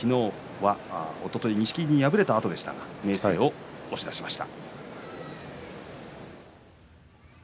おととい錦木に敗れたあとでしたが昨日は明生を押し出しました。